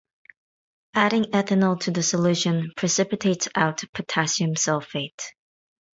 Adding ethanol to the solution precipitates out potassium sulfate.